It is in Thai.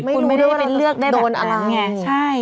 ไม่รู้ด้วยว่าเราจะโดนอะไร